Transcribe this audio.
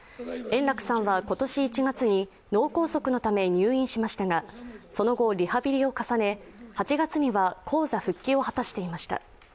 円楽さんは今年１月に脳梗塞のため入院しましたが、その後、リハビリを重ね８月には高座復帰を果たしていました。